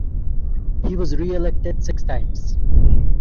He was reelected six times.